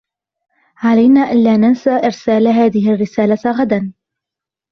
علينا ألا ننسى إرسال هذه الرسالة غدا.